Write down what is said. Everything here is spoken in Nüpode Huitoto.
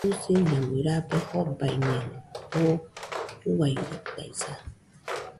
Jusiñamui rabe jobaiñeno, oo uairitaisa